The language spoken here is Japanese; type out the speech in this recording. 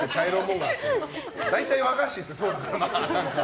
大体和菓子ってそうだから。